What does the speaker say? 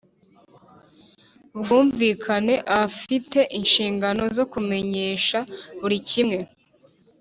ubwumvikane afite inshingano zo kumenyesha buri umwe